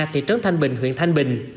thị trấn tp hcm